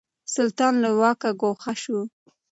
سلطان له واکه ګوښه شو.